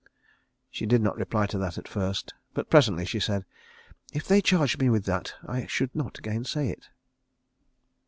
She did not reply to that at first; but presently she said, "If they charged me with that I should not gainsay it."